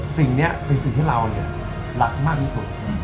สิ่งนี้เป็นสิ่งที่เรารักมากที่สุด